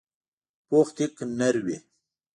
پوخ کیک نر وي